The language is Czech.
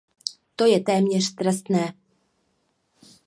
To je téměř trestné.